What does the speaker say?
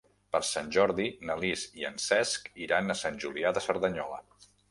Per Sant Jordi na Lis i en Cesc iran a Sant Julià de Cerdanyola.